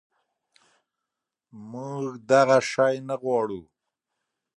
منږ دغه شی نه غواړو